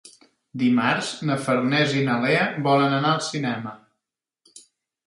Dimarts na Farners i na Lea volen anar al cinema.